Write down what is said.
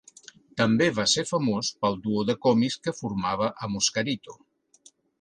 També va ser famós pel duo de còmics que formava amb Oscarito.